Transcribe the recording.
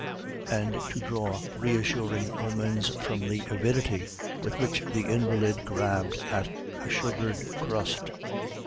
and to draw reassuring omens from the avidity with which the invalid grabbed at a sugared crust.